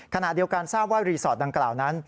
ขณะเดียวกันทราบว่ารีสอร์ทดังกล่าวนั้น